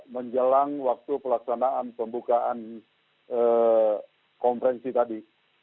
menjelang waktu pelaksanaan pembukaan konferensi tadi